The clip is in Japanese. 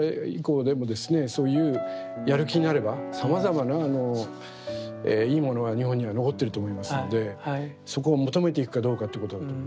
そういうやる気になればさまざまないいものは日本には残ってると思いますのでそこを求めていくかどうかってことだと思いますけれども。